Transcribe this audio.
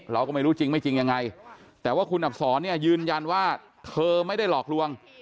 เราก็ไม่รู้จริงไม่จริงยังไงแต่ว่าคุณอับศรเนี่ยยืนยันว่าเธอไม่ได้หลอกลวง